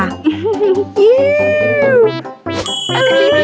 โอเค